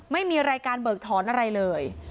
ไม่มีรายการเบิกถอนอะไรเลย